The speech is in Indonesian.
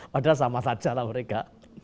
padahal sama saja lah mereka